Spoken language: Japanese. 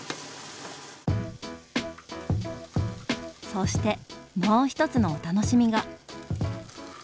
そしてもう１つのお楽しみが。